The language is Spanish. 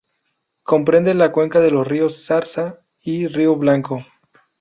Comprende la cuenca de los río Zarza y río Blanco.